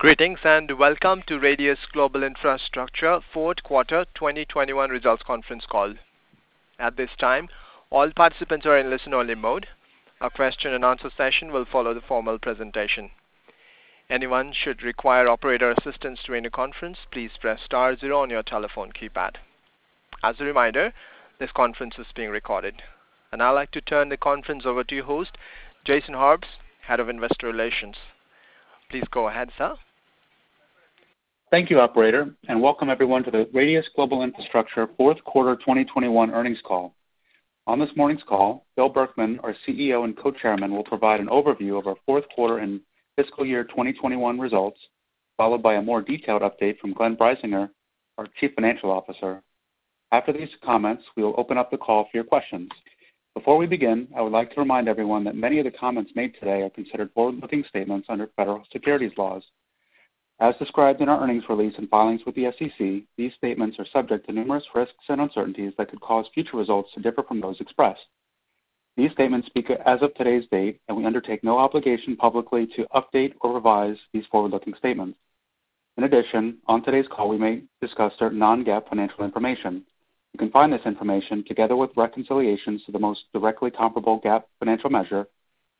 Greetings, and welcome to Radius Global Infrastructure fourth quarter 2021 results conference call. At this time, all participants are in listen-only mode. A question and answer session will follow the formal presentation. If anyone should require operator assistance during the conference, please press star zero on your telephone keypad. As a reminder, this conference is being recorded. I'd like to turn the conference over to your host, Jason Harbes, Head of Investor Relations. Please go ahead, sir. Thank you, operator, and welcome everyone to the Radius Global Infrastructure fourth quarter 2021 earnings call. On this morning's call, Bill Berkman, our CEO and Co-Chairman, will provide an overview of our fourth quarter and fiscal year 2021 results, followed by a more detailed update from Glenn Breisinger, our Chief Financial Officer. After these comments, we will open up the call for your questions. Before we begin, I would like to remind everyone that many of the comments made today are considered forward-looking statements under federal securities laws. As described in our earnings release and filings with the SEC, these statements are subject to numerous risks and uncertainties that could cause future results to differ from those expressed. These statements speak as of today's date, and we undertake no obligation publicly to update or revise these forward-looking statements. In addition, on today's call, we may discuss certain non-GAAP financial information. You can find this information, together with reconciliations to the most directly comparable GAAP financial measure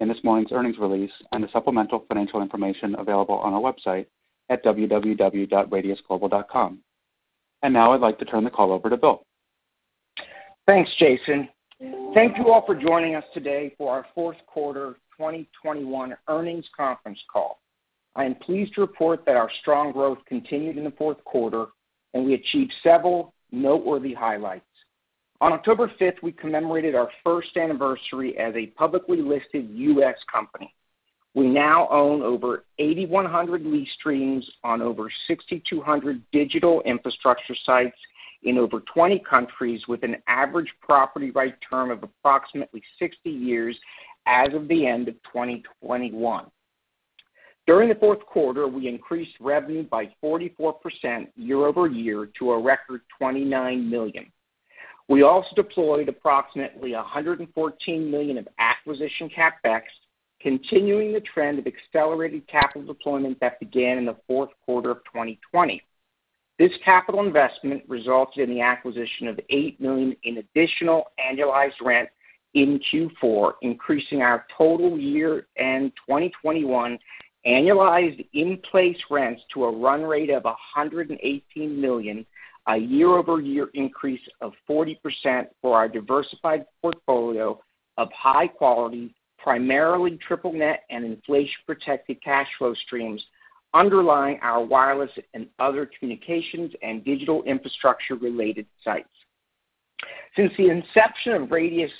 in this morning's earnings release and the supplemental financial information available on our website at www.radiusglobal.com. Now I'd like to turn the call over to Bill. Thanks, Jason. Thank you all for joining us today for our fourth quarter 2021 earnings conference call. I am pleased to report that our strong growth continued in the fourth quarter, and we achieved several noteworthy highlights. On October 5th, we commemorated our first anniversary as a publicly listed U.S. company. We now own over 8,100 lease streams on over 6,200 digital infrastructure sites in over 20 countries with an average property right term of approximately 60 years as of the end of 2021. During the fourth quarter, we increased revenue by 44% year-over-year to a record $29 million. We also deployed approximately $114 million of acquisition CapEx, continuing the trend of accelerated capital deployment that began in the fourth quarter of 2020. This capital investment resulted in the acquisition of $8 million in additional annualized rent in Q4, increasing our total year-end 2021 annualized in-place rents to a run rate of $118 million, a year-over-year increase of 40% for our diversified portfolio of high-quality, primarily triple net and inflation-protected cash flow streams underlying our wireless and other communications and digital infrastructure related sites. Since the inception of Radius'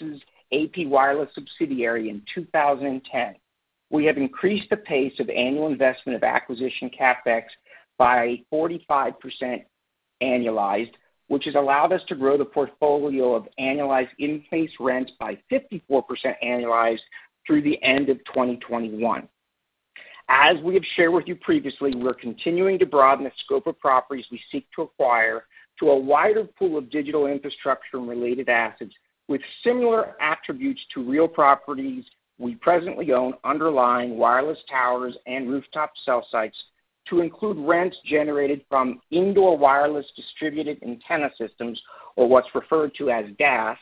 AP Wireless subsidiary in 2010, we have increased the pace of annual investment of acquisition CapEx by 45% annualized, which has allowed us to grow the portfolio of annualized in-place rents by 54% annualized through the end of 2021. As we have shared with you previously, we're continuing to broaden the scope of properties we seek to acquire to a wider pool of digital infrastructure and related assets with similar attributes to real properties we presently own underlying wireless towers and rooftop cell sites to include rents generated from indoor wireless distributed antenna systems, or what's referred to as DAS,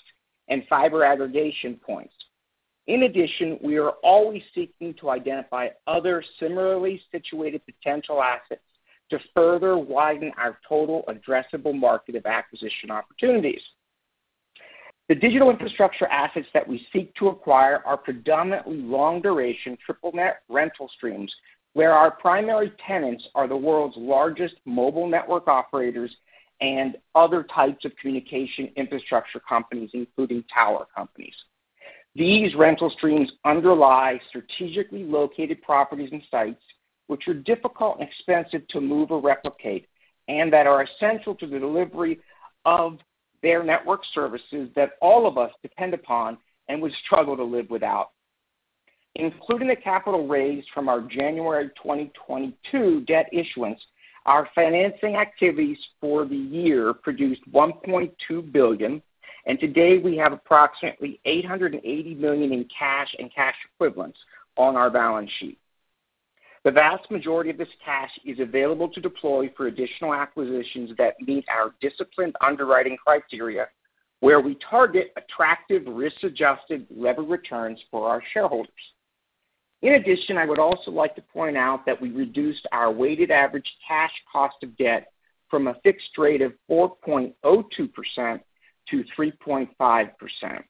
and fiber aggregation points. In addition, we are always seeking to identify other similarly situated potential assets to further widen our total addressable market of acquisition opportunities. The digital infrastructure assets that we seek to acquire are predominantly long-duration triple net rental streams, where our primary tenants are the world's largest mobile network operators and other types of communication infrastructure companies, including tower companies. These rental streams underlie strategically located properties and sites which are difficult and expensive to move or replicate, and that are essential to the delivery of their network services that all of us depend upon and would struggle to live without. Including the capital raised from our January 2022 debt issuance, our financing activities for the year produced $1.2 billion, and today we have approximately $880 million in cash and cash equivalents on our balance sheet. The vast majority of this cash is available to deploy for additional acquisitions that meet our disciplined underwriting criteria, where we target attractive risk-adjusted levered returns for our shareholders. In addition, I would also like to point out that we reduced our weighted average cash cost of debt from a fixed rate of 4.02% to 3.5%.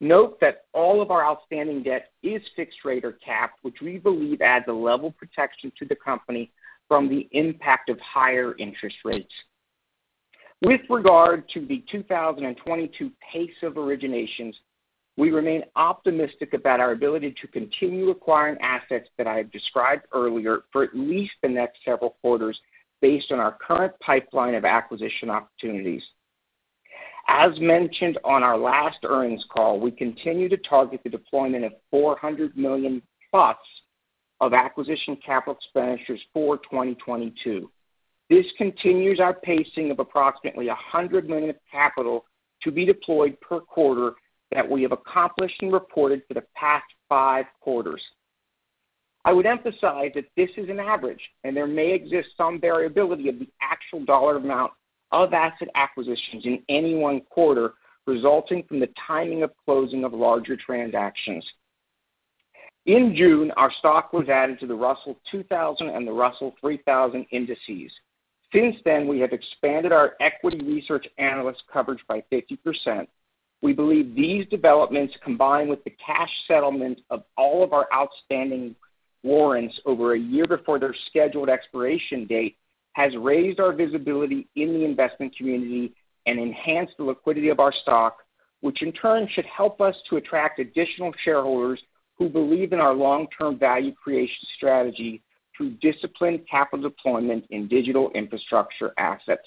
Note that all of our outstanding debt is fixed rate or capped, which we believe adds a level of protection to the company from the impact of higher interest rates. With regard to the 2022 pace of originations, we remain optimistic about our ability to continue acquiring assets that I have described earlier for at least the next several quarters based on our current pipeline of acquisition opportunities. As mentioned on our last earnings call, we continue to target the deployment of $400 million+ of acquisition capital expenditures for 2022. This continues our pacing of approximately $100 million of capital to be deployed per quarter that we have accomplished and reported for the past five quarters. I would emphasize that this is an average, and there may exist some variability of the actual dollar amount of asset acquisitions in any one quarter resulting from the timing of closing of larger transactions. In June, our stock was added to the Russell 2000 and the Russell 3000 indices. Since then, we have expanded our equity research analyst coverage by 50%. We believe these developments, combined with the cash settlement of all of our outstanding warrants over a year before their scheduled expiration date, has raised our visibility in the investment community and enhanced the liquidity of our stock. Which in turn should help us to attract additional shareholders who believe in our long-term value creation strategy through disciplined capital deployment in digital infrastructure assets.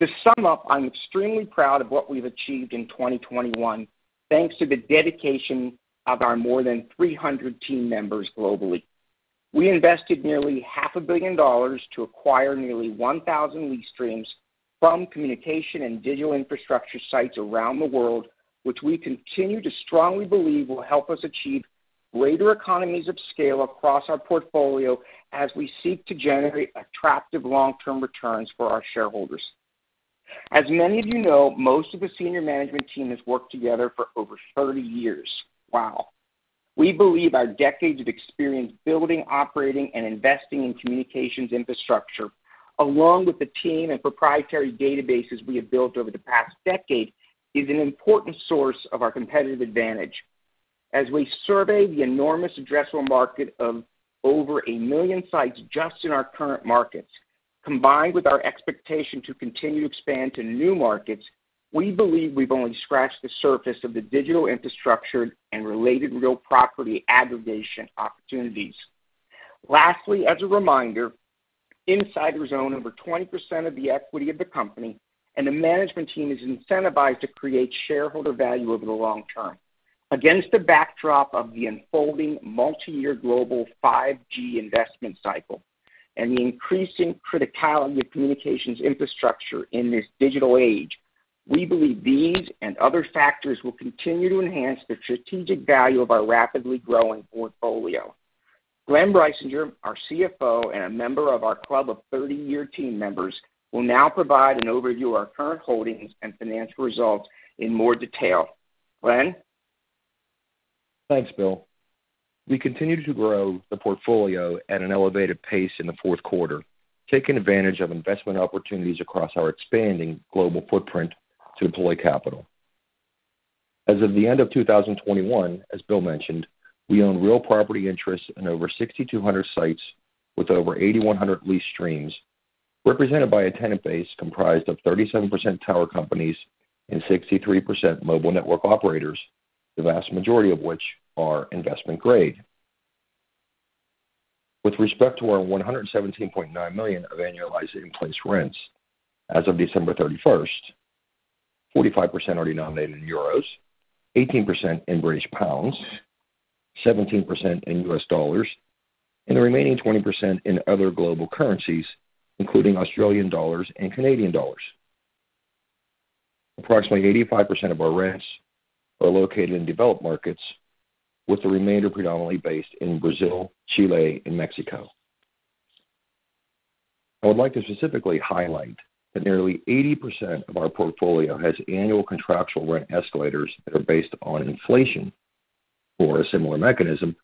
To sum up, I'm extremely proud of what we've achieved in 2021 thanks to the dedication of our more than 300 team members globally. We invested nearly $ half a billion to acquire nearly 1,000 lease streams from communication and digital infrastructure sites around the world, which we continue to strongly believe will help us achieve greater economies of scale across our portfolio as we seek to generate attractive long-term returns for our shareholders. As many of you know, most of the senior management team has worked together for over 30 years. Wow. We believe our decades of experience building, operating, and investing in communications infrastructure, along with the team and proprietary databases we have built over the past decade, is an important source of our competitive advantage. As we survey the enormous addressable market of over a million sites just in our current markets, combined with our expectation to continue to expand to new markets, we believe we've only scratched the surface of the digital infrastructure and related real property aggregation opportunities. Lastly, as a reminder, insiders own over 20% of the equity of the company, and the management team is incentivized to create shareholder value over the long term. Against the backdrop of the unfolding multiyear global 5G investment cycle and the increasing criticality of communications infrastructure in this digital age, we believe these and other factors will continue to enhance the strategic value of our rapidly growing portfolio. Glenn Breisinger, our CFO and a member of our club of 30-year team members, will now provide an overview of our current holdings and financial results in more detail. Glenn? Thanks, Bill. We continued to grow the portfolio at an elevated pace in the fourth quarter, taking advantage of investment opportunities across our expanding global footprint to deploy capital. As of the end of 2021, as Bill mentioned, we own real property interests in over 6,200 sites with over 8,100 lease streams, represented by a tenant base comprised of 37% tower companies and 63% mobile network operators, the vast majority of which are investment grade. With respect to our $117.9 million of annualized in-place rents, as of December 31st, 45% are denominated in euros, 18% in British pounds, 17% in U.S. dollars, and the remaining 20% in other global currencies, including Australian dollars and Canadian dollars. Approximately 85% of our rents are located in developed markets, with the remainder predominantly based in Brazil, Chile, and Mexico. I would like to specifically highlight that nearly 80% of our portfolio has annual contractual rent escalators that are based upon inflation or a similar mechanism,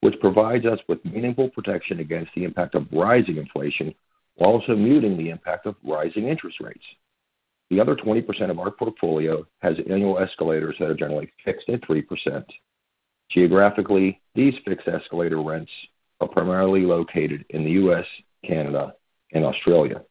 which provides us with meaningful protection against the impact of rising inflation while also muting the impact of rising interest rates. The other 20% of our portfolio has annual escalators that are generally fixed at 3%. Geographically, these fixed escalator rents are primarily located in the U.S., Canada, and Australia.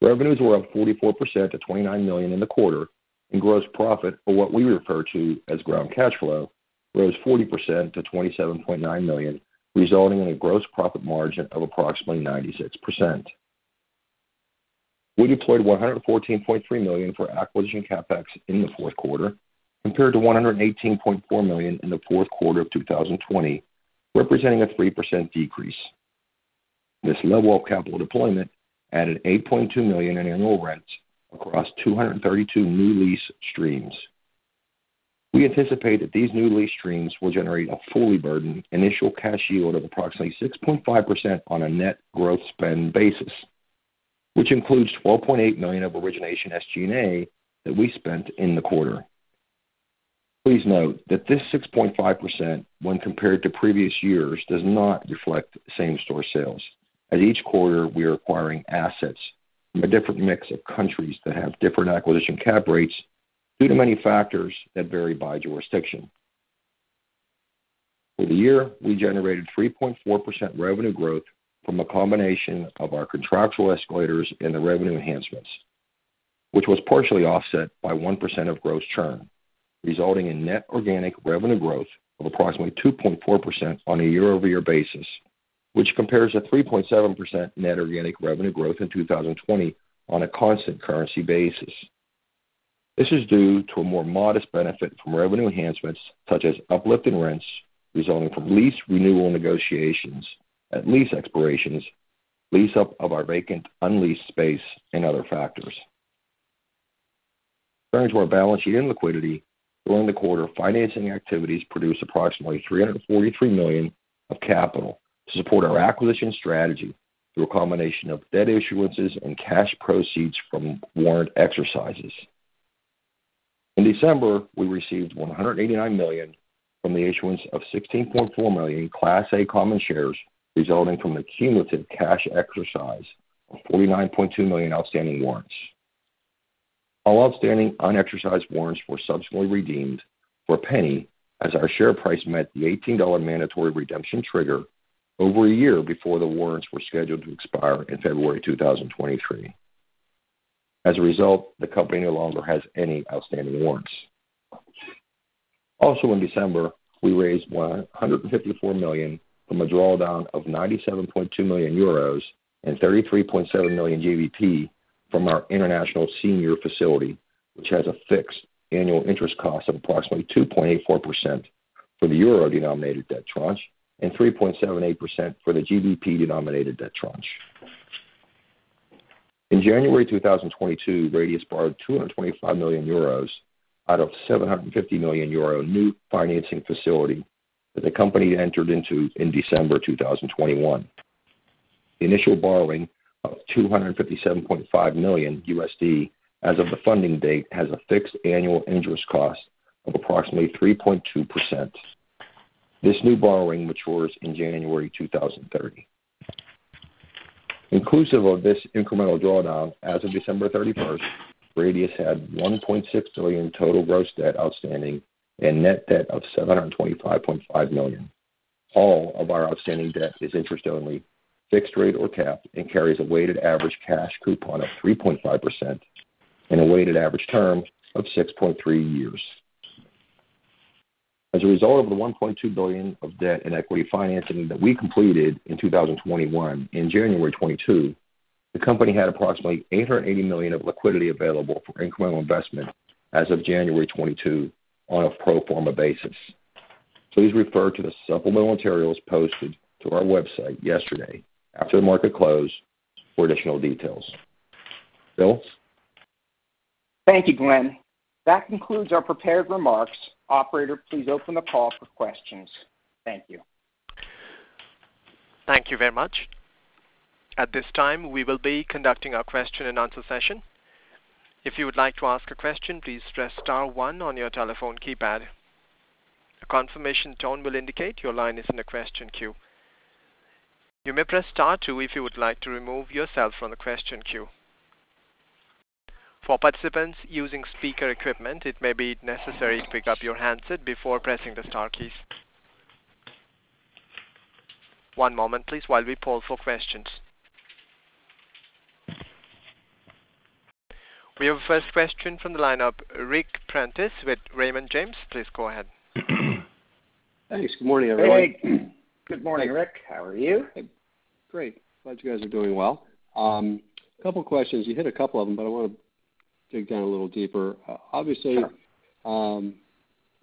Revenues were up 44% to $29 million in the quarter, and gross profit, or what we refer to as ground cash flow, rose 40% to $27.9 million, resulting in a gross profit margin of approximately 96%. We deployed $114.3 million for acquisition CapEx in the fourth quarter, compared to $118.4 million in the fourth quarter of 2020, representing a 3% decrease. This level of capital deployment added $8.2 million in annual rents across 232 new lease streams. We anticipate that these new lease streams will generate a fully burdened initial cash yield of approximately 6.5% on a net growth spend basis, which includes $12.8 million of origination SG&A that we spent in the quarter. Please note that this 6.5% when compared to previous years does not reflect same-store sales. Each quarter we are acquiring assets from a different mix of countries that have different acquisition cap rates due to many factors that vary by jurisdiction. For the year, we generated 3.4% revenue growth from a combination of our contractual escalators and the revenue enhancements, which was partially offset by 1% of gross churn, resulting in net organic revenue growth of approximately 2.4% on a year-over-year basis, which compares to 3.7% net organic revenue growth in 2020 on a constant currency basis. This is due to a more modest benefit from revenue enhancements, such as uplift in rents resulting from lease renewal negotiations at lease expirations, lease up of our vacant unleased space and other factors. Turning to our balance sheet and liquidity. During the quarter, financing activities produced approximately $343 million of capital to support our acquisition strategy through a combination of debt issuances and cash proceeds from warrant exercises. In December, we received $189 million from the issuance of 16.4 million Class A common shares, resulting from the cumulative cash exercise of 49.2 million outstanding warrants. All outstanding unexercised warrants were subsequently redeemed for a penny as our share price met the $18 mandatory redemption trigger over a year before the warrants were scheduled to expire in February 2023. As a result, the company no longer has any outstanding warrants. Also in December, we raised $154 million from a drawdown of 97.2 million euros and 33.7 million from our international senior facility, which has a fixed annual interest cost of approximately 2.84% for the euro-denominated debt tranche, and 3.78% for the GBP-denominated debt tranche. In January 2022, Radius borrowed 225 million euros out of 750 million euro new financing facility that the company entered into in December 2021. The initial borrowing of $257.5 million as of the funding date has a fixed annual interest cost of approximately 3.2%. This new borrowing matures in January 2030. Inclusive of this incremental drawdown, as of December 31st, Radius had $1.6 billion total gross debt outstanding and net debt of $725.5 million. All of our outstanding debt is interest-only, fixed rate or capped, and carries a weighted average cash coupon of 3.5% and a weighted average term of 6.3 years. As a result of the $1.2 billion of debt and equity financing that we completed in 2021, in January 2022, the company had approximately $880 million of liquidity available for incremental investment as of January 2022 on a pro forma basis. Please refer to the supplemental materials posted to our website yesterday after the market closed for additional details. Bill? Thank you, Glenn. That concludes our prepared remarks. Operator, please open the call for questions. Thank you. Thank you very much. At this time, we will be conducting our question and answer session. If you would like to ask a question, please press star one on your telephone keypad. A confirmation tone will indicate your line is in the question queue. You may press star two if you would like to remove yourself from the question queue. For participants using speaker equipment, it may be necessary to pick up your handset before pressing the star keys. One moment please while we poll for questions. We have a first question from the line of Ric Prentiss with Raymond James. Please go ahead. Thanks. Good morning, everyone. Hey. Good morning, Ric. How are you? Great. Glad you guys are doing well. A couple of questions. You hit a couple of them, but I wanna dig down a little deeper. Obviously,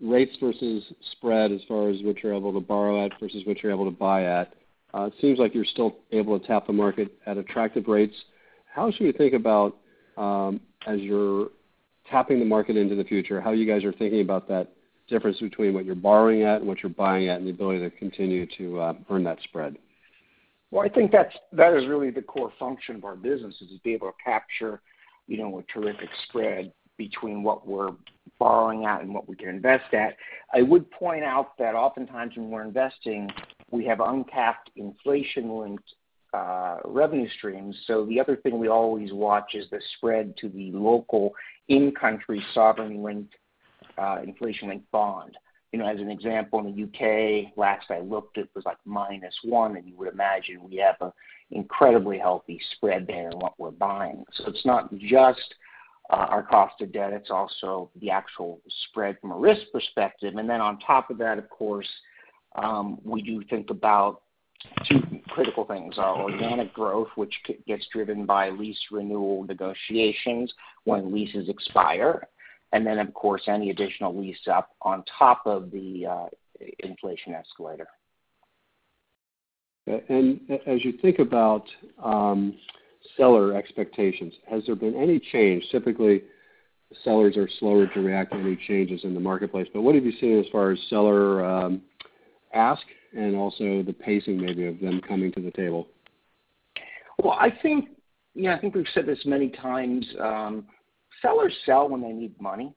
rates versus spread as far as what you're able to borrow at versus what you're able to buy at, it seems like you're still able to tap the market at attractive rates. How should we think about, as you're tapping the market into the future, how you guys are thinking about that difference between what you're borrowing at and what you're buying at, and the ability to continue to earn that spread? Well, I think that is really the core function of our business, is to be able to capture, you know, a terrific spread between what we're borrowing at and what we can invest at. I would point out that oftentimes when we're investing, we have uncapped inflation-linked revenue streams. The other thing we always watch is the spread to the local in-country sovereign-linked inflation-linked bond. You know, as an example, in the U.K., last I looked, it was like minus one, and you would imagine we have an incredibly healthy spread there in what we're buying. It's not just our cost of debt, it's also the actual spread from a risk perspective. On top of that, of course, we do think about two critical things, our organic growth, which gets driven by lease renewal negotiations when leases expire, and then of course, any additional lease up on top of the inflation escalator. As you think about seller expectations, has there been any change? Typically, sellers are slower to react to any changes in the marketplace. What have you seen as far as seller ask, and also the pacing maybe of them coming to the table? Well, I think. Yeah, I think we've said this many times. Sellers sell when they need money.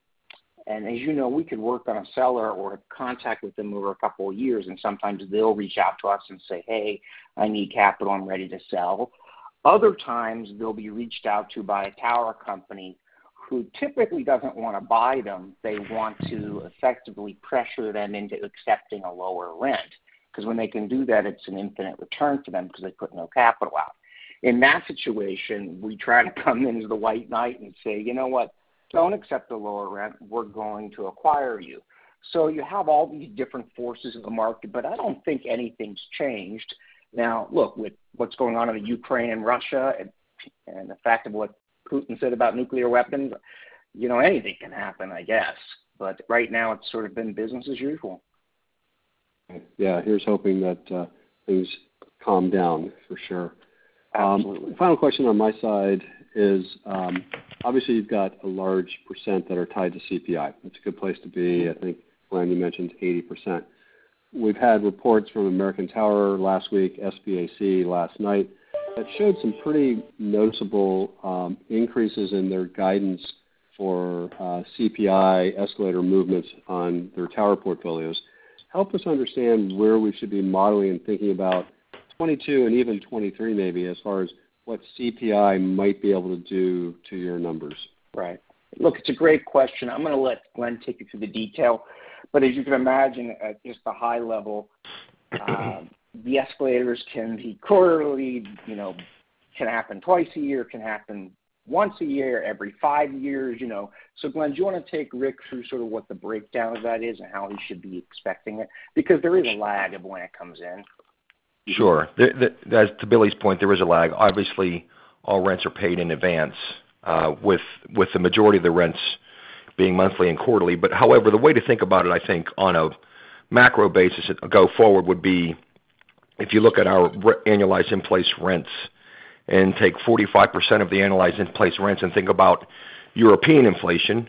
As you know, we could work on a seller or have contact with them over a couple of years, and sometimes they'll reach out to us and say, "Hey, I need capital, and I'm ready to sell." Other times they'll be reached out to by a tower company who typically doesn't wanna buy them. They want to effectively pressure them into accepting a lower rent. 'Cause when they can do that, it's an infinite return to them because they put no capital out. In that situation, we try to come into the white knight and say, "You know what? Don't accept a lower rent. We're going to acquire you." You have all these different forces in the market, but I don't think anything's changed. Now, look, with what's going on in Ukraine and Russia and the fact of what Putin said about nuclear weapons, you know, anything can happen, I guess. Right now it's sort of been business as usual. Yeah. Here's hoping that things calm down for sure. Final question on my side is, obviously, you've got a large percent that are tied to CPI. That's a good place to be. I think Glenn, you mentioned 80%. We've had reports from American Tower last week, SBAC last night, that showed some pretty noticeable increases in their guidance for CPI escalator movements on their tower portfolios. Help us understand where we should be modeling and thinking about 2022 and even 2023, maybe as far as what CPI might be able to do to your numbers. Right. Look, it's a great question. I'm gonna let Glenn take you through the detail. As you can imagine, at just the high level, the escalators can be quarterly, you know, can happen twice a year, can happen once a year, every five years, you know. Glenn, do you wanna take Ric through sort of what the breakdown of that is and how he should be expecting it? Because there is a lag of when it comes in. Sure. To Bill's point, there is a lag. Obviously, all rents are paid in advance, with the majority of the rents being monthly and quarterly. However, the way to think about it, I think on a macro basis going forward would be if you look at our annualized in-place rents and take 45% of the annualized in-place rents and think about European inflation,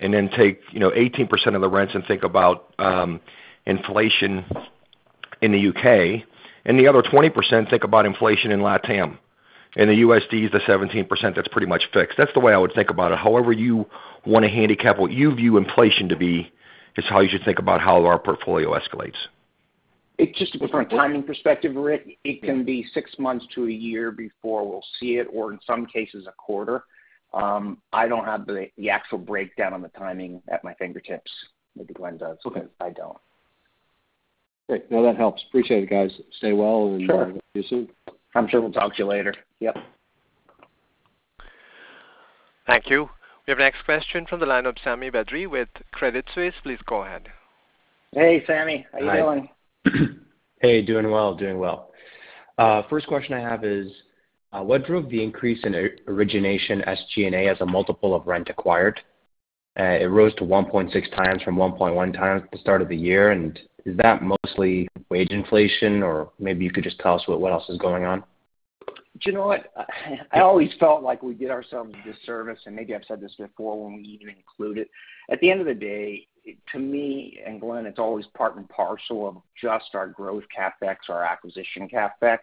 and then take 18% of the rents and think about inflation in the UK, and the other 20%, think about inflation in LatAm, and the USD is the 17%, that's pretty much fixed. That's the way I would think about it. However you wanna handicap what you view inflation to be is how you should think about how our portfolio escalates. It's just a different timing perspective, Ric. It can be six months to a year before we'll see it, or in some cases, a quarter. I don't have the actual breakdown on the timing at my fingertips. Maybe Glenn does. Okay. I don't. Great. No, that helps. Appreciate it, guys. Stay well, and Sure. Talk to you soon. I'm sure we'll talk to you later. Yep. Thank you. We have our next question from the line of Sami Badri with Credit Suisse. Please go ahead. Hey, Sami. How are you doing? Hi. Hey, doing well. First question I have is, what drove the increase in origination SG&A as a multiple of rent acquired? It rose to 1.6 times from 1.1 times at the start of the year. Is that mostly wage inflation, or maybe you could just tell us what else is going on? Do you know what? I always felt like we did ourselves a disservice, and maybe I've said this before when we even include it. At the end of the day, to me and Glenn, it's always part and parcel of just our growth CapEx, our acquisition CapEx.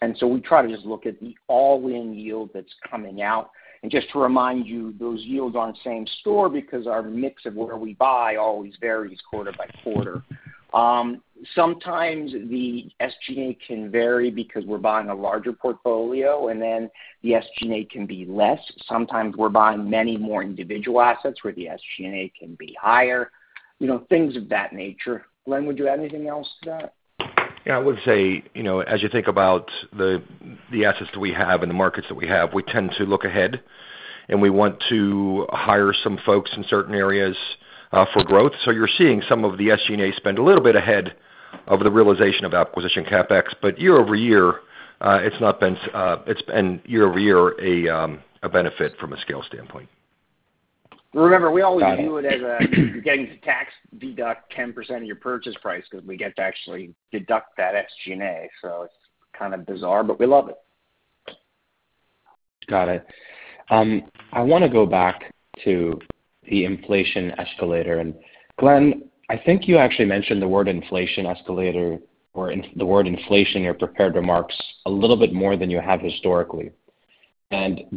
We try to just look at the all-in yield that's coming out. Just to remind you, those yields aren't same store because our mix of where we buy always varies quarter by quarter. Sometimes the SG&A can vary because we're buying a larger portfolio, and then the SG&A can be less. Sometimes we're buying many more individual assets where the SG&A can be higher, you know, things of that nature. Glenn, would you add anything else to that? Yeah. I would say, you know, as you think about the assets that we have and the markets that we have, we tend to look ahead, and we want to hire some folks in certain areas for growth. You're seeing some of the SG&A spend a little bit ahead of the realization of acquisition CapEx. Year over year, it's been a benefit from a scale standpoint. Remember, we always do it. Got it. Getting to tax deduct 10% of your purchase price because we get to actually deduct that SG&A. It's kind of bizarre, but we love it. Got it. I wanna go back to the inflation escalator. Glenn, I think you actually mentioned the word inflation escalator or the word inflation in your prepared remarks a little bit more than you have historically.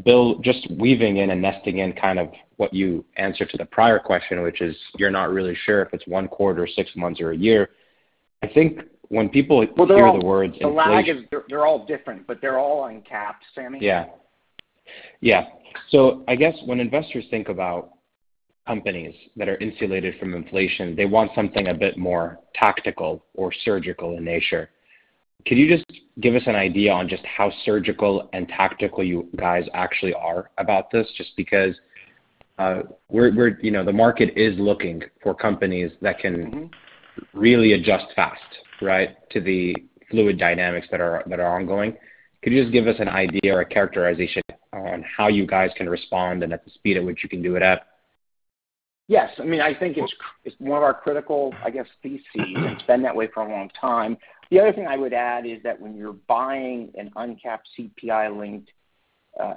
Bill, just weaving in and nesting in kind of what you answered to the prior question, which is you're not really sure if it's one quarter, six months, or a year. I think when people- Well, they're all- -hear the words inflation- The lag is they're all different, but they're all uncapped, Sami. Yeah. Yeah. I guess when investors think about companies that are insulated from inflation, they want something a bit more tactical or surgical in nature. Can you just give us an idea on just how surgical and tactical you guys actually are about this? Just because, we're you know, the market is looking for companies that can- Mm-hmm. You really adjust fast, right, to the fluid dynamics that are ongoing. Could you just give us an idea or a characterization on how you guys can respond and at the speed at which you can do it at? Yes. I mean, I think it's more of our critical, I guess, thesis, and it's been that way for a long time. The other thing I would add is that when you're buying an uncapped CPI-linked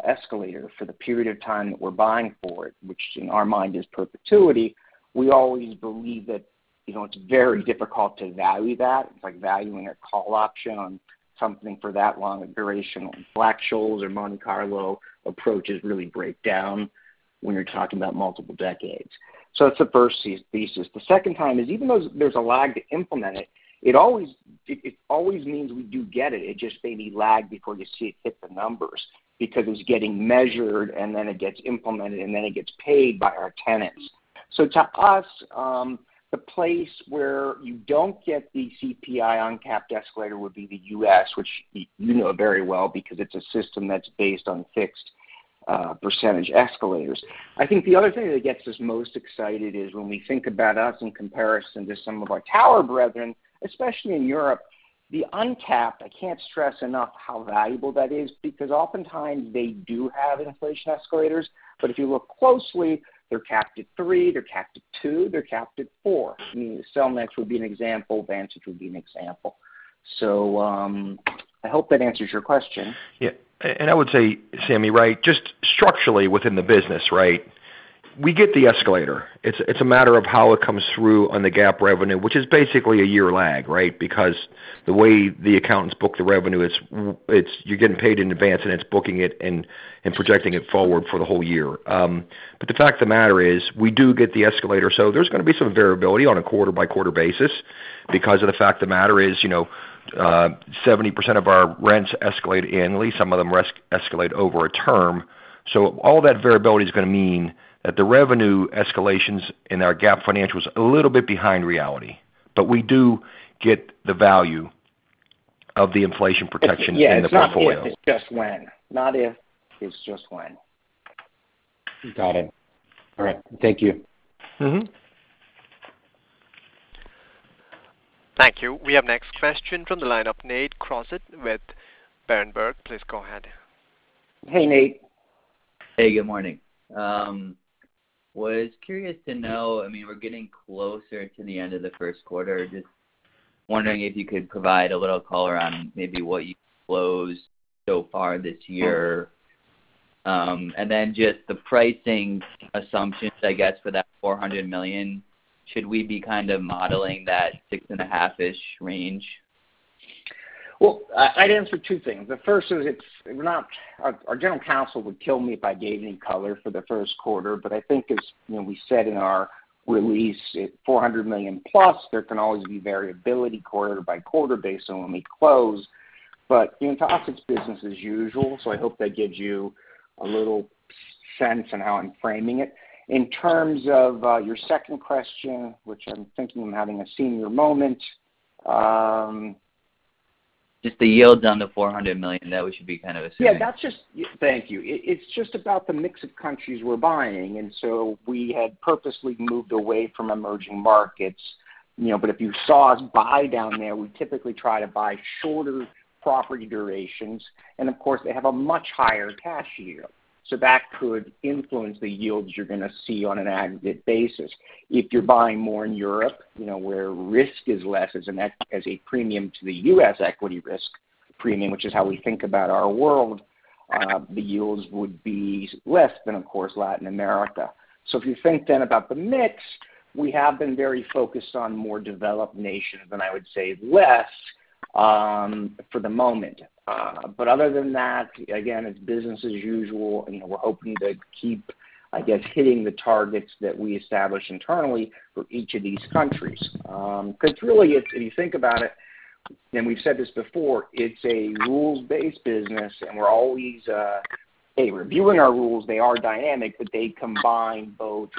escalator for the period of time that we're buying for, which in our mind is perpetuity, we always believe that, you know, it's very difficult to value that. It's like valuing a call option on something for that long a duration. Black-Scholes or Monte Carlo approaches really break down when you're talking about multiple decades. So that's the first thesis. The second thesis is even though there's a lag to implement it always means we do get it. It just may be lagged before you see it hit the numbers because it's getting measured, and then it gets implemented, and then it gets paid by our tenants. To us, the place where you don't get the CPI uncapped escalator would be the U.S., which you know very well because it's a system that's based on fixed percentage escalators. I think the other thing that gets us most excited is when we think about us in comparison to some of our tower brethren, especially in Europe, the uncapped. I can't stress enough how valuable that is because oftentimes they do have inflation escalators. But if you look closely, they're capped at 3%, they're capped at 2%, they're capped at 4%. I mean, Cellnex would be an example. Vantage would be an example. I hope that answers your question. Yeah. And I would say, Sami, right, just structurally within the business, right? We get the escalator. It's a matter of how it comes through on the GAAP revenue, which is basically a year lag, right? Because the way the accountants book the revenue, it's you're getting paid in advance, and it's booking it and projecting it forward for the whole year. The fact of the matter is we do get the escalator, so there's gonna be some variability on a quarter-by-quarter basis because of the fact of the matter is, you know, 70% of our rents escalate annually, some of them escalate over a term. All that variability is gonna mean that the revenue escalations in our GAAP financial is a little bit behind reality. We do get the value of the inflation protection in the portfolio. Yeah. It's not if, it's just when. Got it. All right. Thank you. Mm-hmm. Thank you. We have next question from the line of Nate Crossett with Berenberg. Please go ahead. Hey, Nate. Hey, good morning. I was curious to know, I mean, we're getting closer to the end of the first quarter. Just wondering if you could provide a little color on maybe what you closed so far this year. Just the pricing assumptions, I guess, for that $400 million, should we be kind of modeling that 6.5%-ish range? Well, I'd answer two things. The first is, our general counsel would kill me if I gave any color for the first quarter. I think, you know, we said in our release, $400 million plus, there can always be variability quarter by quarter based on when we close. The answer is business as usual, so I hope that gives you a little sense on how I'm framing it. In terms of your second question, which I'm thinking, I'm having a senior moment. Just the yields on the $400 million that we should be kind of assuming. Thank you. It's just about the mix of countries we're buying, and so we had purposely moved away from emerging markets, you know. If you saw us buy down there, we typically try to buy shorter property durations, and of course, they have a much higher cash yield. That could influence the yields you're gonna see on an aggregate basis. If you're buying more in Europe, you know, where risk is less as a premium to the U.S. equity risk premium, which is how we think about our world, the yields would be less than, of course, Latin America. If you think then about the mix, we have been very focused on more developed nations than I would say less, for the moment. Other than that, again, it's business as usual, and, you know, we're hoping to keep, I guess, hitting the targets that we establish internally for each of these countries. 'Cause really, if you think about it, and we've said this before, it's a rules-based business, and we're always reviewing our rules. They are dynamic, but they combine both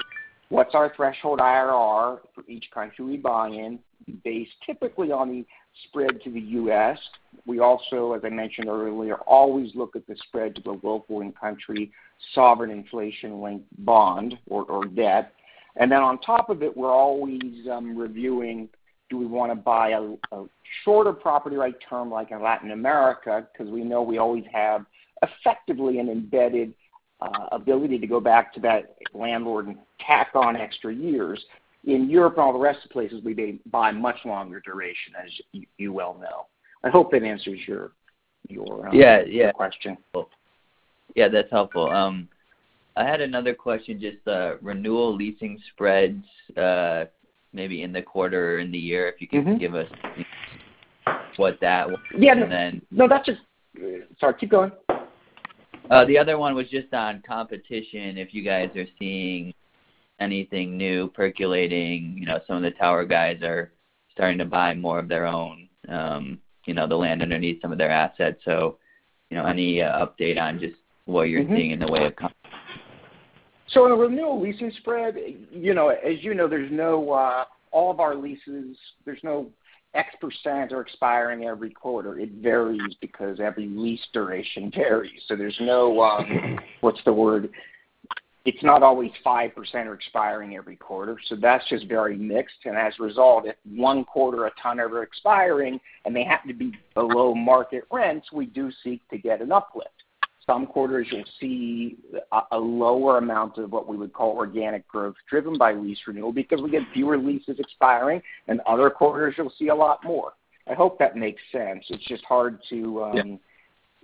what's our threshold IRR for each country we buy in based typically on the spread to the U.S. We also, as I mentioned earlier, always look at the spread to the local in-country sovereign inflation-linked bond or debt. And then on top of it, we're always reviewing, do we wanna buy a shorter property right term like in Latin America? 'Cause we know we always have effectively an embedded ability to go back to that landlord and tack on extra years. In Europe and all the rest of the places, we do buy much longer duration, as you well know. I hope that answers your Yeah, yeah question. Cool. Yeah, that's helpful. I had another question, just the renewal leasing spreads, maybe in the quarter or in the year. Mm-hmm If you could give us what that would mean. Sorry, keep going. The other one was just on competition, if you guys are seeing anything new percolating. You know, some of the tower guys are starting to buy more of their own, you know, the land underneath some of their assets. You know, any update on just what you're- Mm-hmm seeing in the way of com- In a renewal leasing spread, you know, as you know, all of our leases, there's no exact % are expiring every quarter. It varies because every lease duration varies. There's no, what's the word? It's not always 5% are expiring every quarter, so that's just very mixed. As a result, if one quarter a ton are expiring and they happen to be below market rents, we do seek to get an uplift. Some quarters you'll see a lower amount of what we would call organic growth driven by lease renewal because we get fewer leases expiring, and other quarters you'll see a lot more. I hope that makes sense. It's just hard to Yeah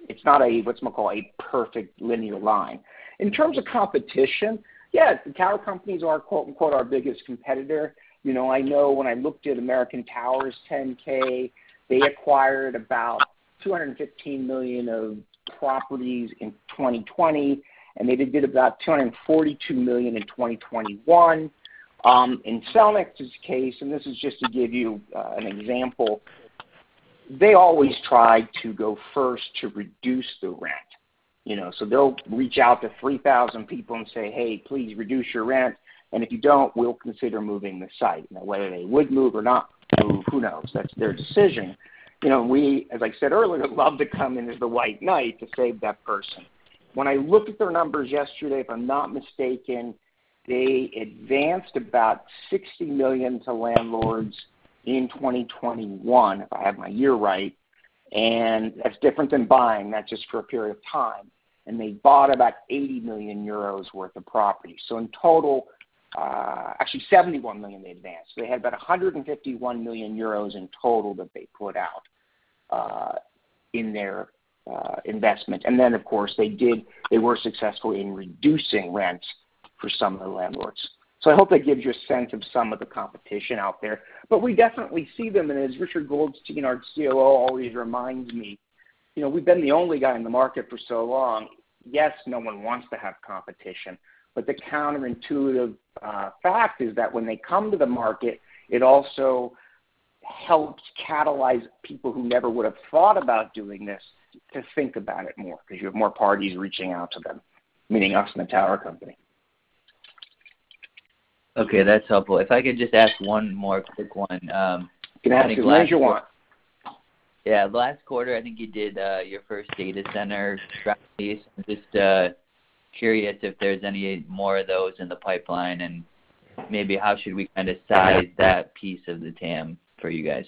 It's not a whatchamacall, a perfect linear line. In terms of competition, yeah, the tower companies are, quote-unquote, "our biggest competitor." You know, I know when I looked at American Tower's 10-K, they acquired about $215 million of properties in 2020, and they did about $242 million in 2021. In Cellnex's case, and this is just to give you an example, they always try to go first to reduce the rent. You know? They'll reach out to 3,000 people and say, "Hey, please reduce your rent, and if you don't, we'll consider moving the site." Now, whether they would move or not, who knows? That's their decision. You know, we, as I said earlier, love to come in as the white knight to save that person. When I looked at their numbers yesterday, if I'm not mistaken, they advanced about $60 million to landlords in 2021, if I have my year right. That's different than buying, not just for a period of time. They bought about 80 million euros worth of property. In total, actually $71 million they advanced. They had about 151 million euros in total that they put out in their investment. Then of course they were successful in reducing rent for some of the landlords. I hope that gives you a sense of some of the competition out there. We definitely see them, and as Richard Goldstein, our COO, always reminds me, you know, we've been the only guy in the market for so long. Yes, no one wants to have competition, but the counterintuitive fact is that when they come to the market, it also helps catalyze people who never would have thought about doing this to think about it more because you have more parties reaching out to them, meaning us and the tower company. Okay. That's helpful. If I could just ask one more quick one. You can ask as many as you want. Yeah. Last quarter, I think you did your first data center strategies. I'm just curious if there's any more of those in the pipeline, and maybe how should we kind of size that piece of the TAM for you guys?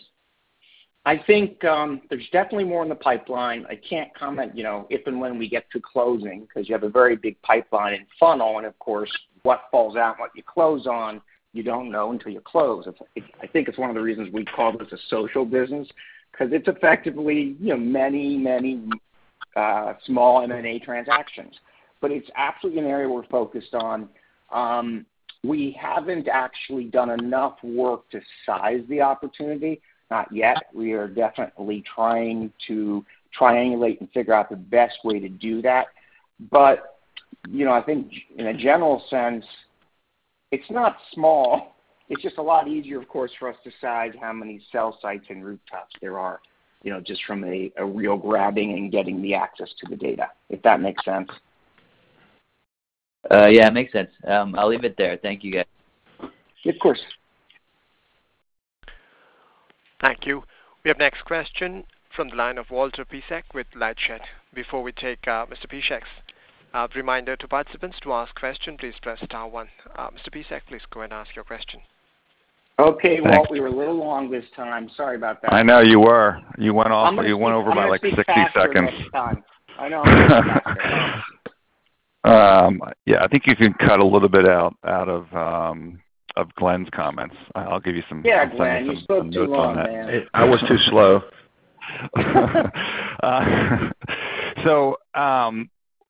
I think there's definitely more in the pipeline. I can't comment, you know, if and when we get to closing because you have a very big pipeline and funnel, and of course, what falls out, what you close on, you don't know until you close. It's one of the reasons we call this a social business because it's effectively, you know, many, many small M&A transactions. It's absolutely an area we're focused on. We haven't actually done enough work to size the opportunity, not yet. We are definitely trying to triangulate and figure out the best way to do that. You know, I think in a general sense, it's not small. It's just a lot easier, of course, for us to size how many cell sites and rooftops there are, you know, just from a real grabbing and getting the access to the data, if that makes sense. Yeah, it makes sense. I'll leave it there. Thank you, guys. Of course. Thank you. We have next question from the line of Walter Piecyk with LightShed. Before we take Mr. Piecyk's, a reminder to participants to ask a question, please press star one. Mr. Piecyk, please go and ask your question. Okay. Walter, we were a little long this time. Sorry about that. I know you were. You went off. I'm gonna speak- You went over by, like, 60 seconds. I'm gonna speak faster next time. I know. Yeah, I think you can cut a little bit out of Glenn's comments. I'll give you some Yeah, Glenn. Some notes on that. You spoke too long, man. I was too slow.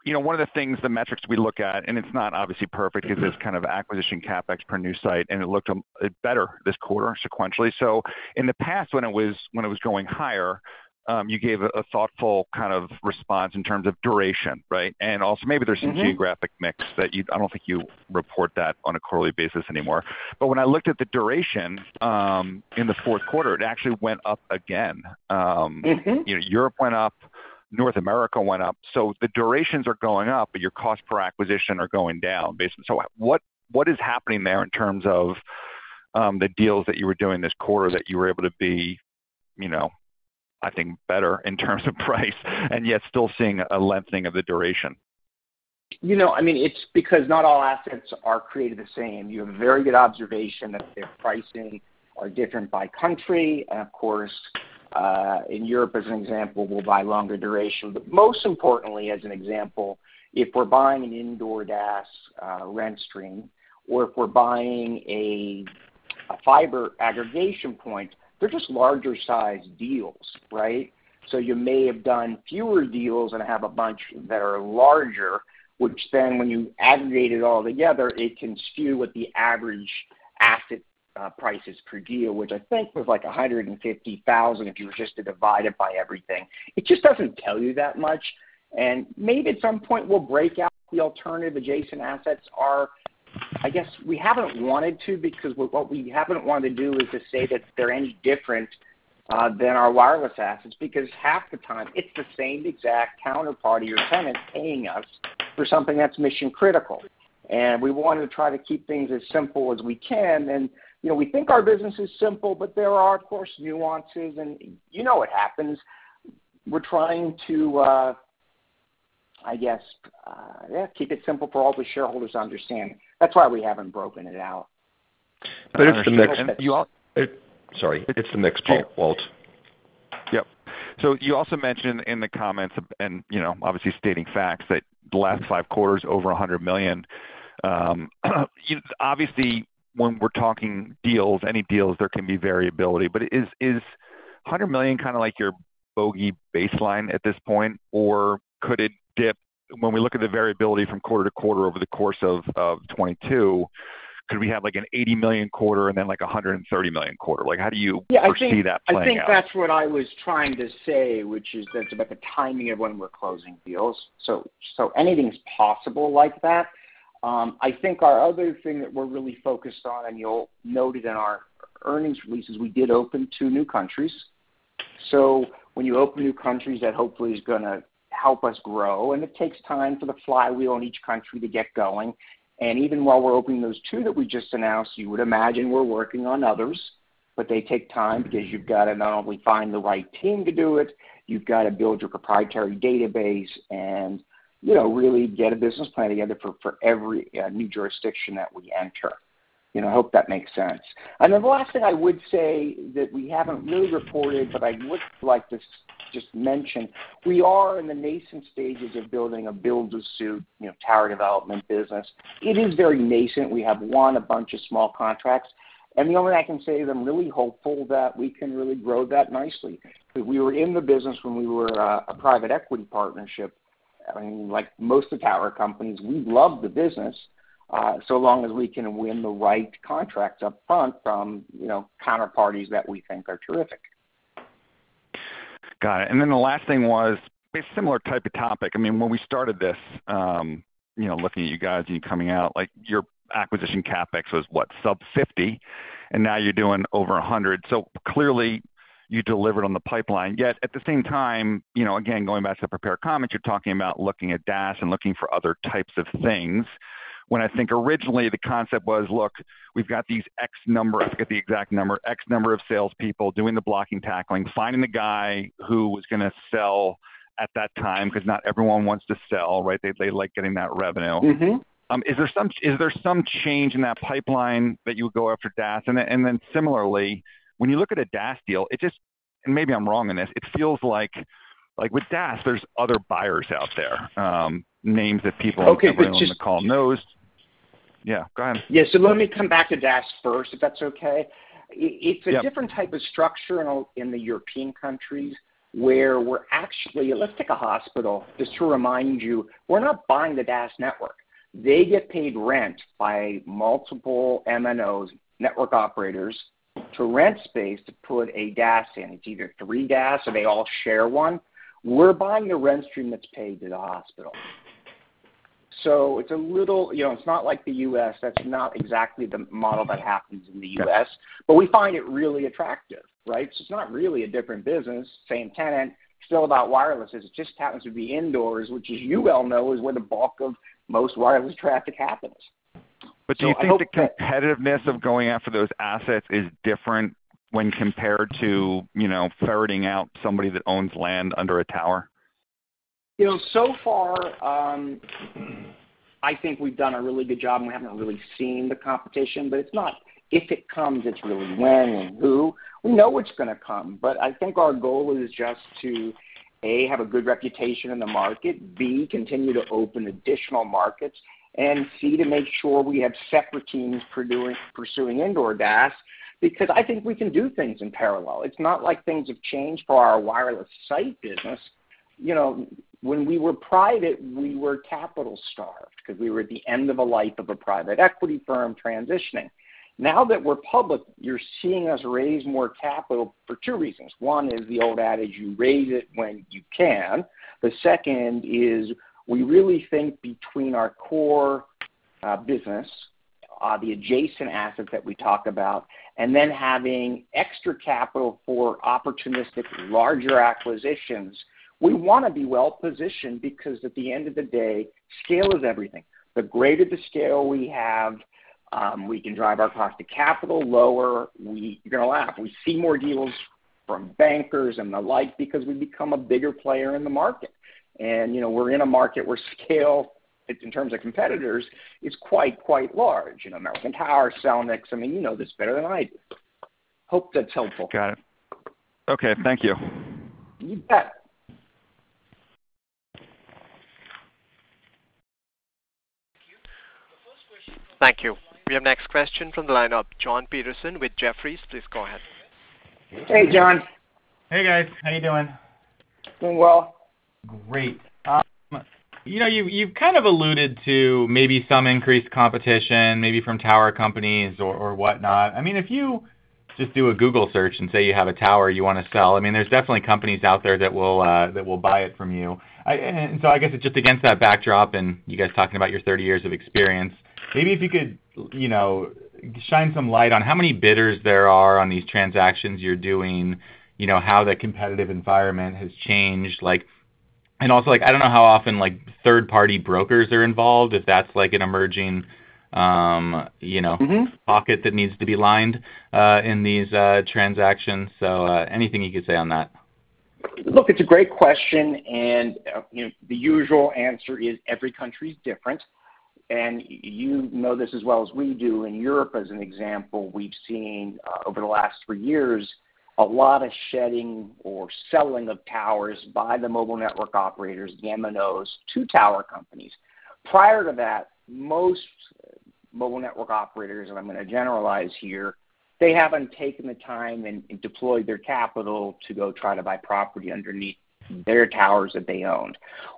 You know, one of the things, the metrics we look at, and it's not obviously perfect because it's kind of acquisition CapEx per new site, and it looked better this quarter sequentially. In the past, when it was growing higher, you gave a thoughtful kind of response in terms of duration, right? Also, maybe there's some geographic mix that I don't think you report on a quarterly basis anymore. When I looked at the duration, in the fourth quarter, it actually went up again. Mm-hmm. You know, Europe went up, North America went up. The durations are going up, but your cost per acquisition are going down basically. What is happening there in terms of the deals that you were doing this quarter that you were able to be, you know, I think better in terms of price and yet still seeing a lengthening of the duration? You know, I mean, it's because not all assets are created the same. You have a very good observation that their pricing are different by country. Of course, in Europe, as an example, we'll buy longer duration. Most importantly, as an example, if we're buying an indoor DAS rent stream, or if we're buying a fiber aggregation point, they're just larger sized deals, right? You may have done fewer deals and have a bunch that are larger, which then when you aggregate it all together, it can skew what the average asset prices per deal, which I think was like $150,000, if you were just to divide it by everything. It just doesn't tell you that much. Maybe at some point we'll break out the alternative adjacent assets are. I guess we haven't wanted to because what we haven't wanted to do is to say that they're any different than our wireless assets, because half the time it's the same exact counterparty or tenant paying us for something that's mission critical. We wanna try to keep things as simple as we can. You know, we think our business is simple, but there are, of course, nuances and, you know, it happens. We're trying to, I guess, yeah, keep it simple for all the shareholders to understand. That's why we haven't broken it out. It's the next part, Walt. Yep. You also mentioned in the comments and, you know, obviously stating facts that the last five quarters, over $100 million. Obviously, when we're talking deals, any deals, there can be variability. Is $100 million kinda like your bogey baseline at this point, or could it dip when we look at the variability from quarter to quarter over the course of 2022, could we have, like, an $80 million quarter and then, like, a $130 million quarter? Like, how do you- Yeah. Perceive that playing out? I think that's what I was trying to say, which is that it's about the timing of when we're closing deals. Anything's possible like that. I think our other thing that we're really focused on, and you'll note it in our earnings releases, we did open two new countries. When you open new countries, that hopefully is gonna help us grow, and it takes time for the flywheel in each country to get going. Even while we're opening those two that we just announced, you would imagine we're working on others, but they take time because you've gotta not only find the right team to do it, you've gotta build your proprietary database and, you know, really get a business plan together for every new jurisdiction that we enter. You know, I hope that makes sense. Then the last thing I would say that we haven't really reported, but I would like to just mention, we are in the nascent stages of building a build to suit, you know, tower development business. It is very nascent. We have won a bunch of small contracts. The only thing I can say is I'm really hopeful that we can really grow that nicely, 'cause we were in the business when we were a private equity partnership. I mean, like most of the tower companies, we love the business, so long as we can win the right contracts up front from, you know, counterparties that we think are terrific. Got it. Then the last thing was a similar type of topic. I mean, when we started this, you know, looking at you guys, you coming out, like your acquisition CapEx was what? Sub-$50, and now you're doing over $100. Clearly you delivered on the pipeline. Yet at the same time, you know, again, going back to the prepared comments, you're talking about looking at DAS and looking for other types of things, when I think originally the concept was, look, we've got these x number, I forget the exact number, x number of salespeople doing the blocking, tackling, finding the guy who was gonna sell at that time, 'cause not everyone wants to sell, right? They like getting that revenue. Mm-hmm. Is there some change in that pipeline that you would go after DAS? Similarly, when you look at a DAS deal, it just. Maybe I'm wrong in this. It feels like with DAS, there's other buyers out there, names that people- Okay, but just. Everybody on the call knows. Yeah, go ahead. Yeah. Let me come back to DAS first, if that's okay. Yeah. It's a different type of structure in the European countries, where we're actually. Let's take a hospital just to remind you, we're not buying the DAS network. They get paid rent by multiple MNOs, network operators, to rent space to put a DAS in. It's either three DAS or they all share one. We're buying the rent stream that's paid to the hospital. So it's a little. You know, it's not like the U.S., that's not exactly the model that happens in the U.S. Got it. We find it really attractive, right? It's not really a different business, same tenant. It's still about wireless. It just happens to be indoors, which, as you well know, is where the bulk of most wireless traffic happens. I hope that- Do you think the competitiveness of going after those assets is different when compared to, you know, ferreting out somebody that owns land under a tower? You know, so far, I think we've done a really good job, and we haven't really seen the competition. It's not if it comes, it's really when and who. We know it's gonna come, but I think our goal is just to, A, have a good reputation in the market, B, continue to open additional markets, and C, to make sure we have separate teams pursuing indoor DAS, because I think we can do things in parallel. It's not like things have changed for our wireless site business. You know, when we were private, we were capital starved because we were at the end of a life of a private equity firm transitioning. Now that we're public, you're seeing us raise more capital for two reasons. One is the old adage, you raise it when you can. The second is we really think between our core business, the adjacent assets that we talk about, and then having extra capital for opportunistic larger acquisitions. We wanna be well positioned because at the end of the day, scale is everything. The greater the scale we have, we can drive our cost to capital lower. You're gonna laugh. We see more deals from bankers and the like because we've become a bigger player in the market. You know, we're in a market where scale, in terms of competitors, is quite large. You know, American Tower, Cellnex, I mean, you know this better than I do. Hope that's helpful. Got it. Okay. Thank you. You bet. Thank you. We have next question from the line of Jon Petersen with Jefferies. Please go ahead. Hey, Jon. Hey, guys. How you doing? Doing well. Great. You know, you've kind of alluded to maybe some increased competition maybe from tower companies or whatnot. I mean, if you just do a Google search and say you have a tower you wanna sell, I mean, there's definitely companies out there that will buy it from you. I guess it's just against that backdrop and you guys talking about your 30 years of experience, maybe if you could, you know, shine some light on how many bidders there are on these transactions you're doing, you know, how the competitive environment has changed. Like, and also, like, I don't know how often, like, third party brokers are involved, if that's like an emerging, you know. Mm-hmm... pocket that needs to be lined, in these, transactions. Anything you could say on that. Look, it's a great question, and, you know, the usual answer is every country is different. You know this as well as we do. In Europe, as an example, we've seen, over the last three years, a lot of shedding or selling of towers by the mobile network operators, the MNOs, to tower companies. Prior to that, most mobile network operators, and I'm gonna generalize here, they haven't taken the time and deployed their capital to go try to buy property underneath their towers that they owned.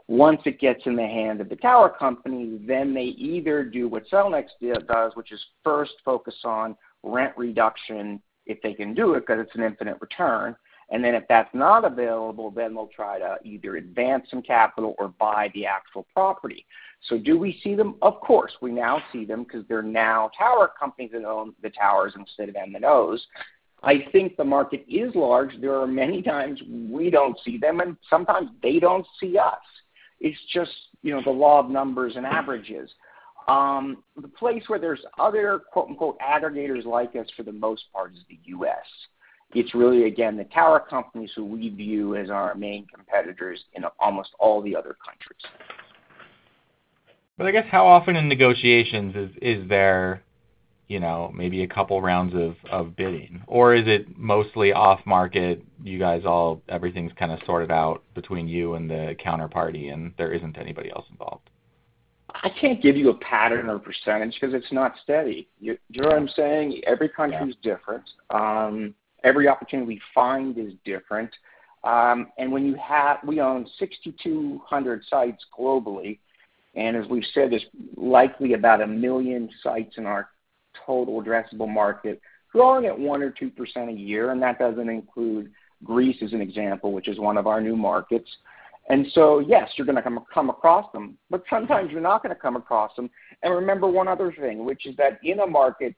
Once it gets in the hands of the tower company, then they either do what Cellnex did, does, which is first focus on rent reduction, if they can do it, 'cause it's an infinite return. Then if that's not available, then they'll try to either advance some capital or buy the actual property. Do we see them? Of course, we now see them 'cause they're now tower companies that own the towers instead of MNOs. I think the market is large. There are many times we don't see them, and sometimes they don't see us. It's just, you know, the law of numbers and averages. The place where there's other "aggregators" like us for the most part is the U.S. It's really, again, the tower companies who we view as our main competitors in almost all the other countries. I guess how often in negotiations is there, you know, maybe a couple rounds of bidding? Or is it mostly off-market, you guys everything's kind of sorted out between you and the counterparty, and there isn't anybody else involved? I can't give you a pattern or percentage because it's not steady. You know what I'm saying? Yeah. Every country is different. Every opportunity we find is different. When you have 6,200 sites globally, and as we've said, there's likely about 1 million sites in our total addressable market growing at 1%-2% a year, and that doesn't include Greece, as an example, which is one of our new markets. Yes, you're gonna come across them, but sometimes you're not gonna come across them. Remember one other thing, which is that in a market,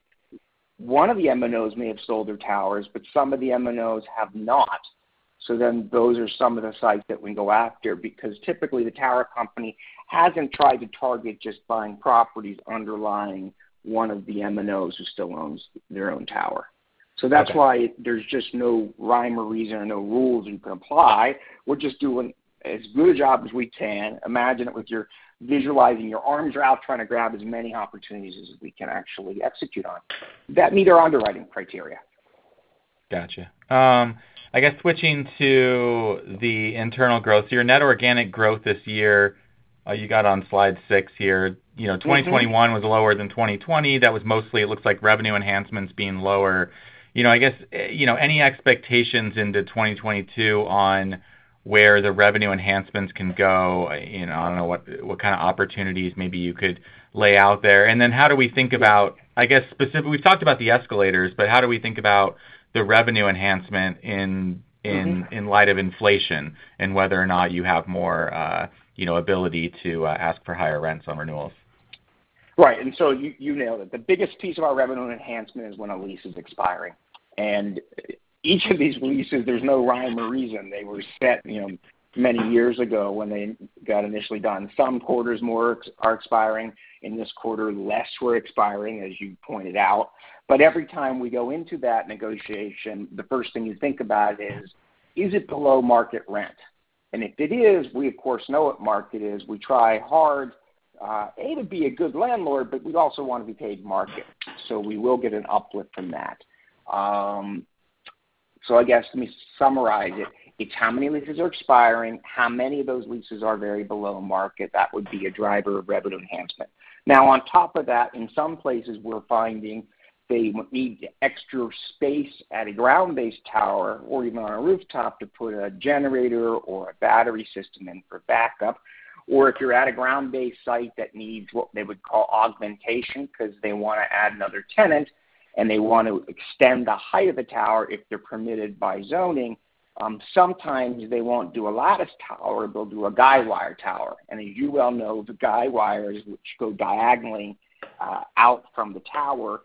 one of the MNOs may have sold their towers, but some of the MNOs have not. Then those are some of the sites that we go after, because typically, the tower company hasn't tried to target just buying properties underlying one of the MNOs who still owns their own tower. Okay. That's why there's just no rhyme or reason or no rules you can apply. We're just doing as good a job as we can. Imagine visualizing your arms are out trying to grab as many opportunities as we can actually execute on that meet our underwriting criteria. Gotcha. I guess, switching to the internal growth, your net organic growth this year, you got on slide six here. Mm-hmm. You know, 2021 was lower than 2020. That was mostly, it looks like, revenue enhancements being lower. You know, I guess, you know, any expectations into 2022 on where the revenue enhancements can go? You know, I don't know what kind of opportunities maybe you could lay out there. How do we think about, I guess, we've talked about the escalators, but how do we think about the revenue enhancement in- Mm-hmm... in light of inflation and whether or not you have more, you know, ability to ask for higher rents on renewals? Right. You nailed it. The biggest piece of our revenue enhancement is when a lease is expiring. Each of these leases, there's no rhyme or reason. They were set, you know, many years ago when they got initially done. Some quarters more are expiring. In this quarter, less were expiring, as you pointed out. Every time we go into that negotiation, the first thing you think about is it below market rent? If it is, we of course know what market is. We try hard to be a good landlord, but we also wanna be paid market, so we will get an uplift from that. I guess, let me summarize it. It's how many leases are expiring, how many of those leases are very below market, that would be a driver of revenue enhancement. Now, on top of that, in some places, we're finding they need extra space at a ground-based tower or even on a rooftop to put a generator or a battery system in for backup. If you're at a ground-based site that needs what they would call augmentation because they wanna add another tenant and they want to extend the height of the tower, if they're permitted by zoning, sometimes they won't do a lattice tower, they'll do a guy wire tower. As you well know, the guy wires which go diagonally out from the tower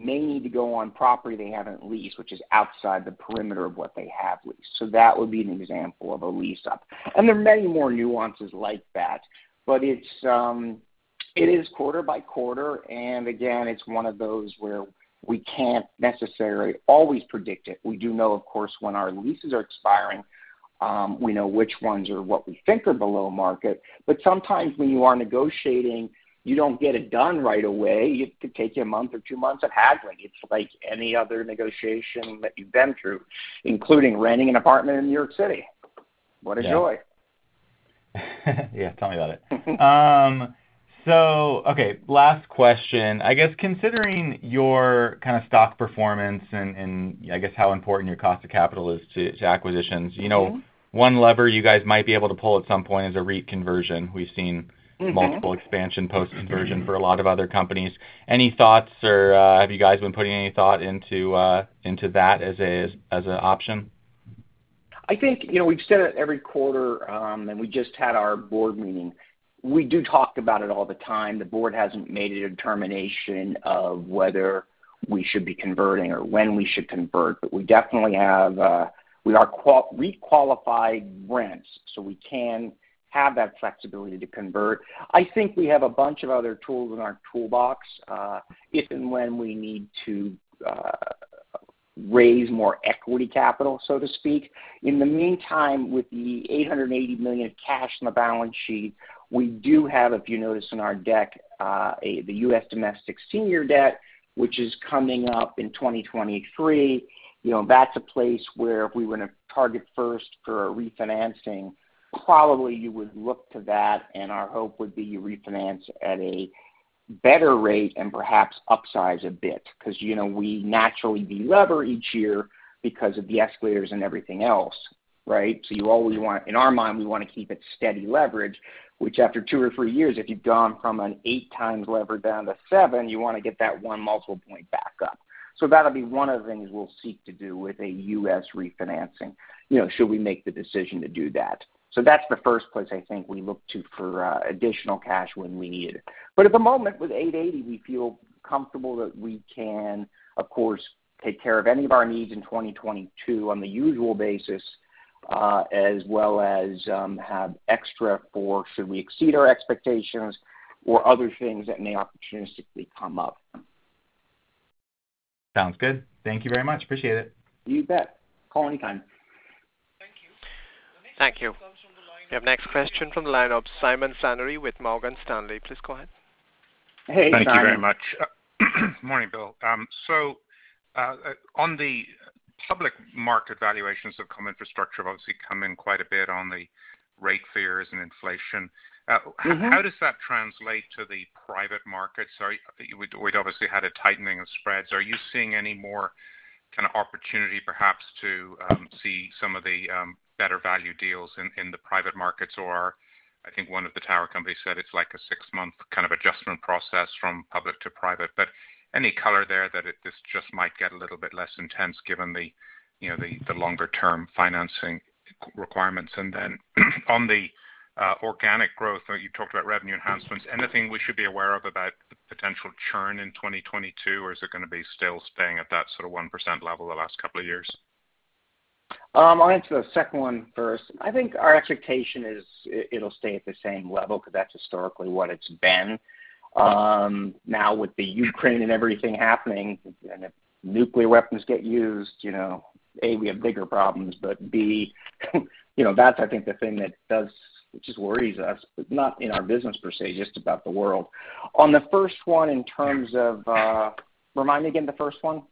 may need to go on property they haven't leased, which is outside the perimeter of what they have leased. That would be an example of a lease up. There are many more nuances like that, it is quarter by quarter, and again, it's one of those where we can't necessarily always predict it. We do know, of course, when our leases are expiring, we know which ones are what we think are below market. Sometimes when you are negotiating, you don't get it done right away. It could take you a month or two months of haggling. It's like any other negotiation that you've been through, including renting an apartment in New York City. What a joy. Yeah. Yeah, tell me about it. Okay, last question. I guess considering your kind of stock performance and I guess how important your cost of capital is to acquisitions. Mm-hmm you know, one lever you guys might be able to pull at some point is a REIT conversion. We've seen. Mm-hmm Multiple expansion post conversion for a lot of other companies. Any thoughts or have you guys been putting any thought into that as an option? I think, you know, we've said it every quarter, and we just had our board meeting. We do talk about it all the time. The board hasn't made a determination of whether we should be converting or when we should convert, but we definitely have REIT-qualified rents, so we can have that flexibility to convert. I think we have a bunch of other tools in our toolbox, if and when we need to raise more equity capital, so to speak. In the meantime, with the $880 million cash in the balance sheet, we do have, if you notice in our deck, the U.S. domestic senior debt, which is coming up in 2023. You know, that's a place where if we were to target first for a refinancing, probably you would look to that, and our hope would be you refinance at a better rate and perhaps upsize a bit. Cause, you know, we naturally de-lever each year because of the escalators and everything else, right? So you always want. In our mind, we wanna keep it steady leverage, which after two or three years, if you've gone from 8x leverage down to 7x, you wanna get that one multiple point back up. So that'll be one of the things we'll seek to do with a U.S. refinancing, you know, should we make the decision to do that. So that's the first place I think we look to for additional cash when we need it. At the moment, with $880, we feel comfortable that we can, of course, take care of any of our needs in 2022 on the usual basis, as well as have extra for should we exceed our expectations or other things that may opportunistically come up. Sounds good. Thank you very much. Appreciate it. You bet. Call anytime. Thank you. Thank you. We have next question from the line of Simon Flannery with Morgan Stanley. Please go ahead. Hey, Simon. Thank you very much. Morning, Bill. On the public market valuations of comm infrastructure have obviously come in quite a bit on the rate fears and inflation. Mm-hmm. How does that translate to the private markets? We'd obviously had a tightening of spreads. Are you seeing any more kinda opportunity perhaps to see some of the better value deals in the private markets? Or I think one of the tower companies said it's like a six-month kind of adjustment process from public to private. But any color there that this just might get a little bit less intense given the, you know, the longer-term financing requirements. On the organic growth, you talked about revenue enhancements. Anything we should be aware of about the potential churn in 2022? Or is it gonna be still staying at that sort of 1% level the last couple of years? I'll answer the second one first. I think our expectation is it'll stay at the same level because that's historically what it's been. Now with the Ukraine and everything happening, and if nuclear weapons get used, you know, A, we have bigger problems, but B, you know, that's I think the thing that does, which worries us, but not in our business per se, just about the world. On the first one, Remind me again the first one.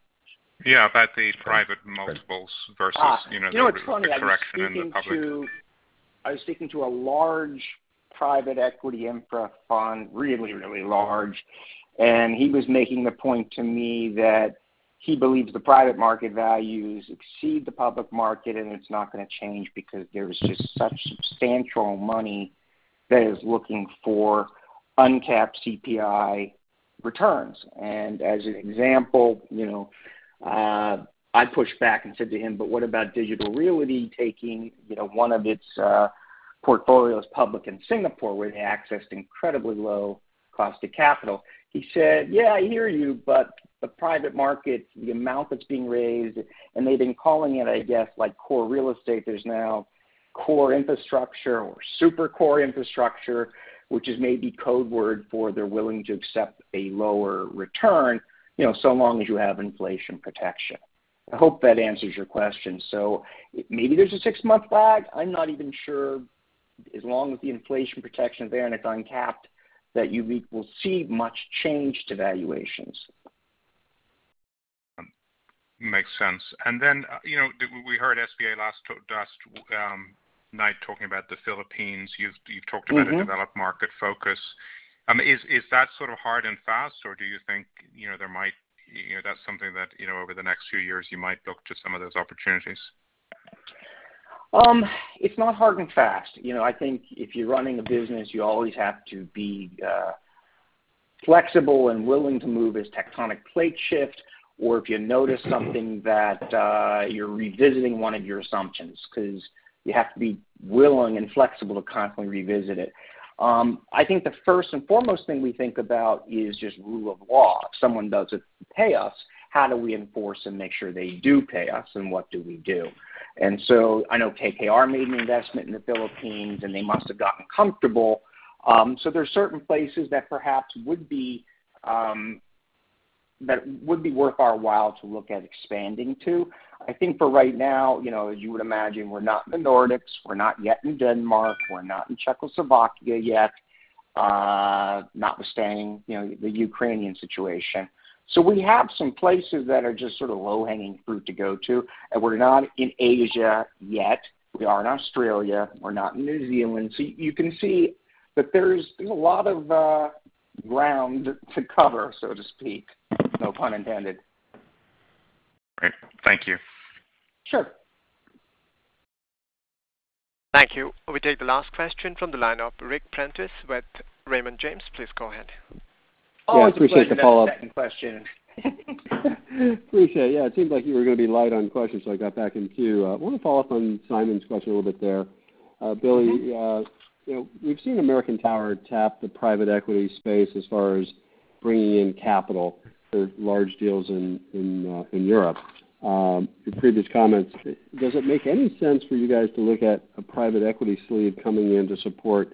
Yeah, about the private multiples versus, you know, the correction in the public. You know, it's funny, I was speaking to a large private equity infra fund, really, really large, and he was making the point to me that he believes the private market values exceed the public market, and it's not gonna change because there is just such substantial money that is looking for uncapped CPI returns. As an example, you know, I pushed back and said to him, "But what about Digital Realty taking, you know, one of its portfolios public in Singapore, where they accessed incredibly low cost of capital?" He said, "Yeah, I hear you, but the private market, the amount that's being raised," and they've been calling it, I guess, like, core real estate. There's now core infrastructure or super core infrastructure, which is maybe code word for they're willing to accept a lower return, you know, so long as you have inflation protection. I hope that answers your question. Maybe there's a six-month lag. I'm not even sure, as long as the inflation protection is there and it's uncapped, that you will see much change to valuations. Makes sense. You know, we heard SBA last night talking about the Philippines. You've talked about Mm-hmm a developed market focus. Is that sort of hard and fast, or do you think, you know, there might, you know, that's something that, you know, over the next few years, you might look to some of those opportunities? It's not hard and fast. You know, I think if you're running a business, you always have to be flexible and willing to move as tectonic plates shift or if you notice something that you're revisiting one of your assumptions. 'Cause you have to be willing and flexible to constantly revisit it. I think the first and foremost thing we think about is just rule of law. If someone doesn't pay us, how do we enforce and make sure they do pay us, and what do we do? I know KKR made an investment in the Philippines, and they must have gotten comfortable. So there's certain places that perhaps would be worth our while to look at expanding to. I think for right now, you know, as you would imagine, we're not in the Nordics. We're not yet in Denmark. We're not in Czechoslovakia yet, notwithstanding, you know, the Ukrainian situation. We have some places that are just sort of low-hanging fruit to go to, and we're not in Asia yet. We are in Australia. We're not in New Zealand. You can see that there's a lot of ground to cover, so to speak, no pun intended. Great. Thank you. Sure. Thank you. We take the last question from the line of Ric Prentiss with Raymond James. Please go ahead. Always appreciate that second question. Appreciate it. Yeah, it seemed like you were gonna be light on questions, so I got back in queue. Wanna follow up on Simon's question a little bit there. Bill, Mm-hmm... you know, we've seen American Tower tap the private equity space as far as bringing in capital for large deals in Europe. Your previous comments, does it make any sense for you guys to look at a private equity sleeve coming in to support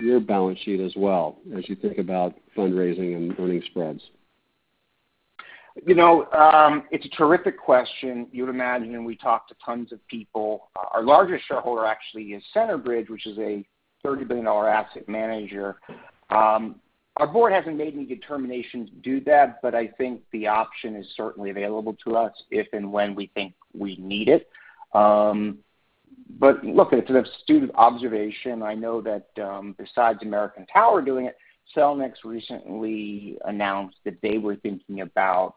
your balance sheet as well, as you think about fundraising and earning spreads? You know, it's a terrific question. You would imagine, and we talk to tons of people. Our largest shareholder actually is Centerbridge, which is a $30 billion asset manager. Our board hasn't made any determination to do that, but I think the option is certainly available to us if and when we think we need it. Look, it's an astute observation. I know that, besides American Tower doing it, Cellnex recently announced that they were thinking about,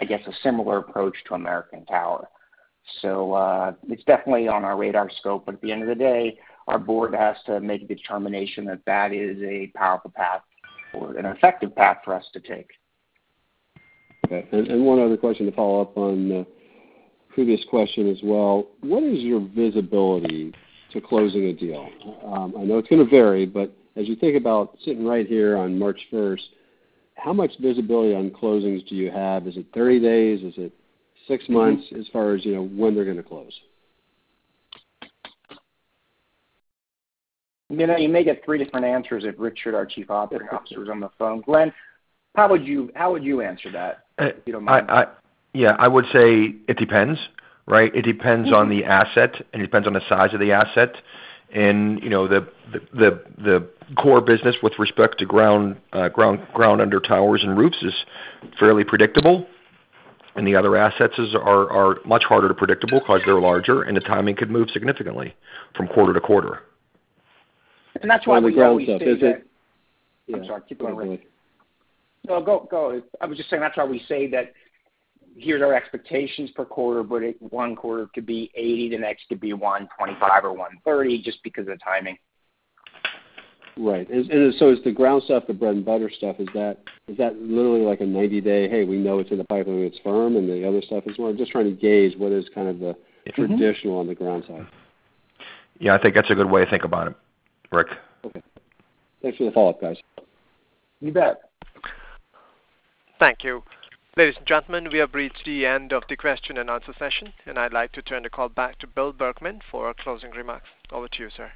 I guess, a similar approach to American Tower. It's definitely on our radar scope, but at the end of the day, our board has to make a determination that that is a powerful path or an effective path for us to take. Okay. One other question to follow up on the previous question as well. What is your visibility to closing a deal? I know it's gonna vary, but as you think about sitting right here on March first, how much visibility on closings do you have? Is it 30 days? Is it six months? Mm-hmm as far as, you know, when they're gonna close? You know, you may get three different answers if Richard, our Chief Operating Officer, is on the phone. Glenn, how would you answer that? If you don't mind. Yeah, I would say it depends, right? It depends on the asset, and it depends on the size of the asset. You know, the core business with respect to ground under towers and roofs is fairly predictable, and the other assets are much harder to predict 'cause they're larger, and the timing could move significantly from quarter to quarter. That's why we always say that. With the growth stuff, is it? I'm sorry. Keep going, Ric. No, go. I was just saying that's why we say that, here's our expectations per quarter, but it, one quarter could be $80, the next could be $125 or $130, just because of the timing. Right. is the ground stuff, the bread and butter stuff, is that literally like a 90-day, "Hey, we know it's in the pipeline and it's firm," and the other stuff as well? I'm just trying to gauge what is kind of the traditional on the ground side. Yeah, I think that's a good way to think about it, Ric. Okay. Thanks for the follow-up, guys. You bet. Thank you. Ladies and gentlemen, we have reached the end of the question and answer session, and I'd like to turn the call back to Bill Berkman for closing remarks. Over to you, sir.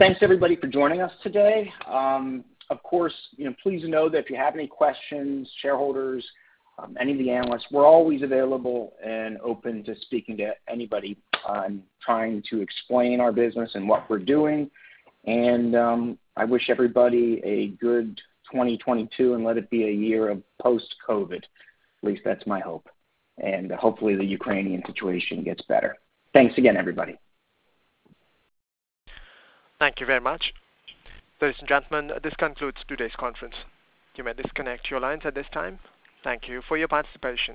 Thanks everybody for joining us today. Of course, you know, please know that if you have any questions, shareholders, any of the analysts, we're always available and open to speaking to anybody on trying to explain our business and what we're doing. I wish everybody a good 2022, and let it be a year of post-COVID. At least that's my hope. Hopefully the Ukrainian situation gets better. Thanks again, everybody. Thank you very much. Ladies and gentlemen, this concludes today's conference. You may disconnect your lines at this time. Thank you for your participation.